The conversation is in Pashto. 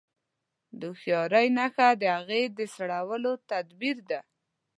د هوښياري نښه د هغې د سړولو تدبير دی.